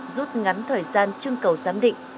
rút ngắn thời gian trưng cầu giám định